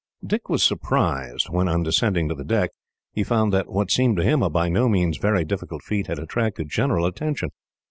Dick was surprised when, on descending to the deck, he found that what seemed to him a by no means very difficult feat had attracted general attention.